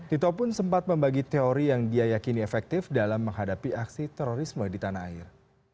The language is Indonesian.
tito pun sempat membagi teori yang dia yakini efektif dalam menghadapi aksi terorisme di tanah air